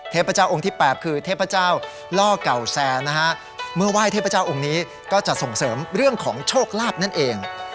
เทพเจ้าองค์ที่๘คือเทพเจ้าล่อเก่าแซร์นะฮะเมื่อไหว้เทพเจ้าองค์นี้ก็จะส่งเสริมเรื่องของโชคลาภนั่นเอง